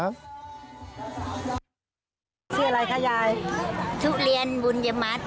ชื่ออะไรคะยายทุเรียนบุญยมัติ